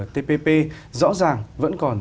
tpp rõ ràng vẫn còn